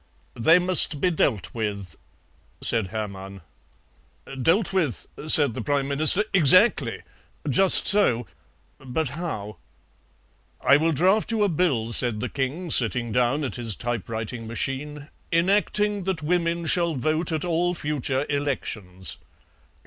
"They must be dealt with," said Hermann. "Dealt with," said the Prime Minister; "exactly, just so; but how?" "I will draft you a Bill," said the King, sitting down at his typewriting machine, "enacting that women shall vote at all future elections.